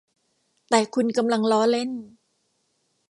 แต่คุณกำลังล้อเล่น